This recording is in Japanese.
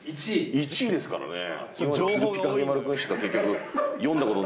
１位ですからね。